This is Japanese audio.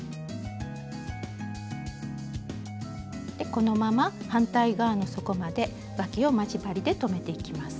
このまま反対側の底までわきを待ち針で留めていきます。